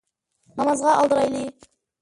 نامازغا ئالدىرايلى